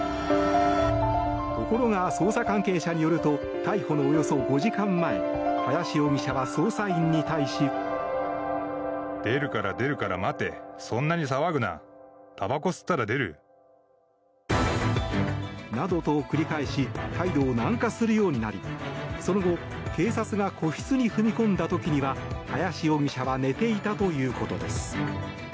ところが捜査関係者によると逮捕のおよそ５時間前林容疑者は、捜査員に対し。などと繰り返し態度を軟化するようになりその後、警察が個室に踏み込んだ時には林容疑者は寝ていたということです。